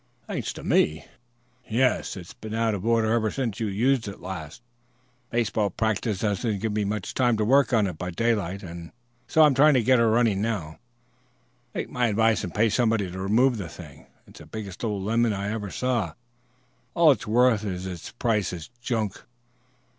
"Thanks to me?" "Yes; it has been out of order ever since you used it last. Baseball practice doesn't give me much time to work on it by daylight, and so I'm trying to get her running now." "Take my advice and pay somebody to remove the thing. It's the biggest old lemon I ever saw. All it's worth is its price as junk.